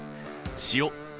塩